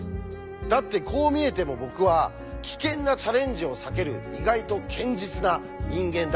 だってこう見えても僕は危険なチャレンジを避ける意外と堅実な人間だからです。